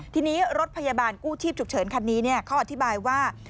ทีนี้รถพยาบาลกู้ชีพฉุกเฉินคันนี้เขาอธิบายว่า